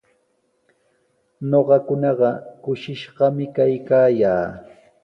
Ñuqakunaqa kushishqami kaykaayaa.